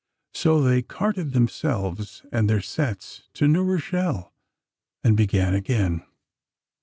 So they carted themselves and their sets to New Rochelle, and began again.